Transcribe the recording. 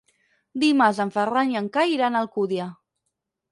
Dimarts en Ferran i en Cai iran a Alcúdia.